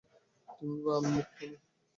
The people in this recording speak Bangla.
তুমি বা আমি মুক্ত নই।